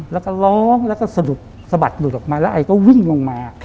แล้วก็ร้องแล้วก็สะบัดหลุดออกมาแล้วไอก็วิ่งลงมา